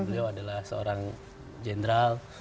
beliau adalah seorang general